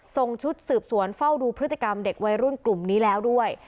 ส่งชุดสืบสวนเฝ้าดูพฤติกรรมเด็กวัยรุ่นกลุ่มนี้แล้วด้วย